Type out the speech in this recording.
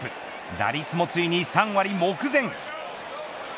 打率もついに３割目前。